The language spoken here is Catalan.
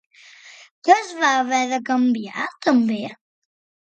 Què es va haver de canviar, també?